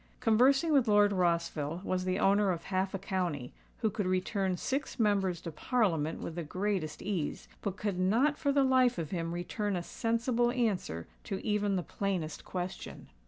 Conversing with Lord Rossville was the owner of half a county, who could return six Members to Parliament with the greatest ease, but could not for the life of him return a sensible answer to even the plainest question.